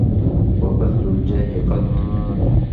وَبَذْلُ الْجَاهِ قَدْ